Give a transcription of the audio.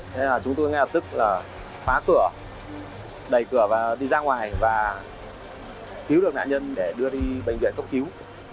thế là chúng tôi ngay lập tức khóa cửa đẩy cửa và đi ra ngoài và cứu được nạn nhân để đưa đi bệnh viện cốc cứu